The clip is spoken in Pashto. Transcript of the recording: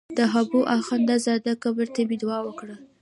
د حبو اخند زاده قبر ته مې دعا وکړه.